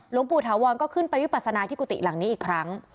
หลวงปู่ถาวรก็ขึ้นไปวิปัสนาที่กุฏิหลังนี้อีกครั้ง